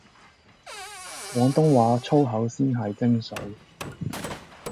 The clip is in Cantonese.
廣東話粗口先係精粹